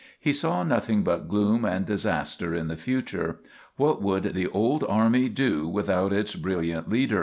He saw nothing but gloom and disaster in the future. What would the old army do without its brilliant leader?